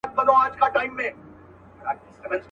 د خپل ورور زړه یې څیرلی په خنجر دی.